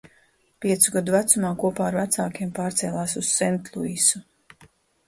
Piecu gadu vecumā kopā ar vecākiem pārcēlās uz Sentluisu.